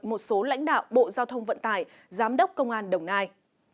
một số lãnh đạo bộ giao thông vận tải giám đốc công an đồng nai